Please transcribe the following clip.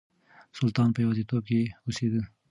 سلطان په يوازيتوب کې اوسېده.